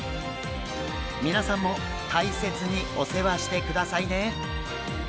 皆さんも大切にお世話してくださいね！